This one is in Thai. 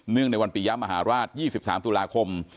เนื่องในวันปียะมหาราช๒๓สุลาคม